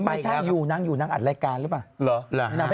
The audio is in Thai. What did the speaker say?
นางอยู่นางอยู่นางอัดรายการหรือเปล่า